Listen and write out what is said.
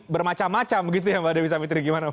bermacam macam gitu ya mbak dewi samitri gimana mbak